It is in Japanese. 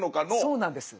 そうなんです。